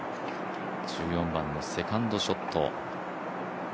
１４番のセカンドショット。